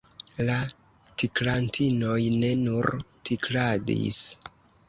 La tiklantinoj ne nur tikladis.